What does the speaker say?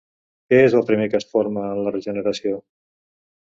Què és el primer que es forma en la regeneració?